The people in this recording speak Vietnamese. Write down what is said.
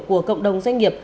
của cộng đồng doanh nghiệp